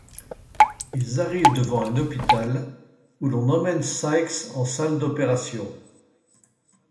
Ils arrivent devant un hôpital où l'on emmène Sykes en salle d'opération.